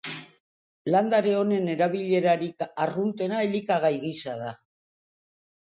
Landare honen erabilerarik arruntena elikagai gisa da.